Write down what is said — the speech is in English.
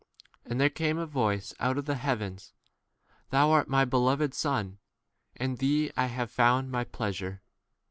And there came a voice out of the heavens : Thou art my beloved Son, in thee d I have found my pleasure.